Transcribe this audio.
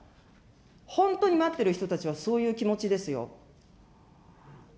本当に待ってる人たちはそういう気持ちですよ。